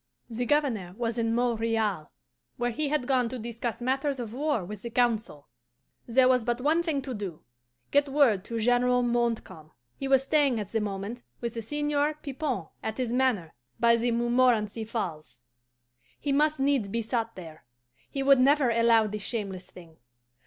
The Governor was in Montreal, where he had gone to discuss matters of war with the Council. "There was but one thing to do get word to General Montcalm. He was staying at the moment with the Seigneur Pipon at his manor by the Montmorenci Falls. He must needs be sought there: he would never allow this shameless thing.